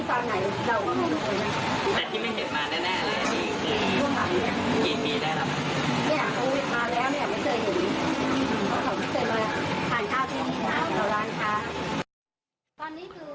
บางวันพ้องจะเข้าไปแล้วจะออกไปทางที่ตอนไหน